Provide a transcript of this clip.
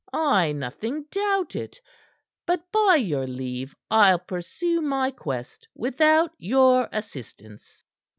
"I nothing doubt it! But by your leave, I'll pursue my quest without your assistance."